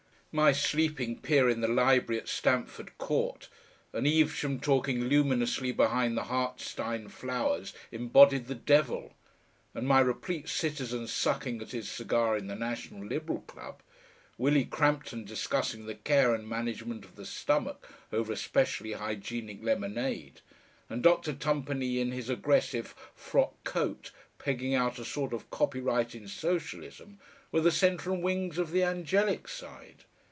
My sleeping peer in the library at Stamford Court and Evesham talking luminously behind the Hartstein flowers embodied the devil, and my replete citizen sucking at his cigar in the National Liberal Club, Willie Crampton discussing the care and management of the stomach over a specially hygienic lemonade, and Dr. Tumpany in his aggressive frock coat pegging out a sort of copyright in Socialism, were the centre and wings of the angelic side.